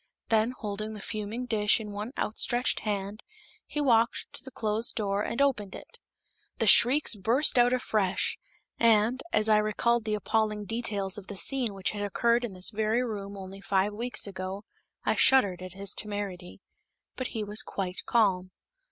Then, holding the fuming dish in one outstretched hand, he walked to the closed door and opened it. The shrieks burst out afresh, and, as I recalled the appalling details of the scene which had occurred in this very room only five weeks ago, I shuddered at his temerity. But he was quite calm.